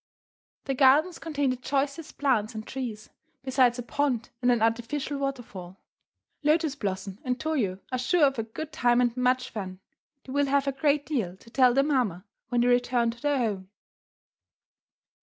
The gardens contain the choicest plants and trees, besides a pond and an artificial waterfall. Lotus Blossom and Toyo are sure of a good time and much fun. They will have a great deal to tell their mamma when they return to their home.